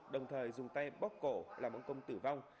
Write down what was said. đồng thời dùng tay bóc cổ làm ông công tử vong